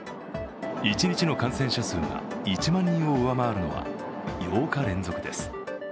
一日の感染者が１万人を上回るのは８日連続です。